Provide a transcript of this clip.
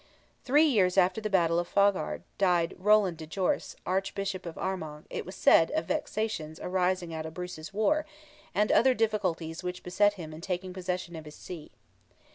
Three years after the battle of Faughard, died Roland de Jorse, Archbishop of Armagh, it was said, of vexations arising out of Bruce's war, and other difficulties which beset him in taking possession of his see.